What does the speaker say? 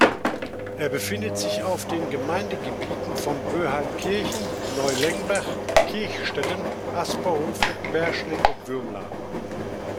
Er befindet sich auf den Gemeindegebieten von Böheimkirchen, Neulengbach, Kirchstetten, Asperhofen, Perschling und Würmla.